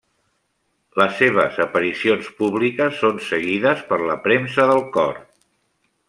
Les seves aparicions públiques són seguides per la premsa del cor.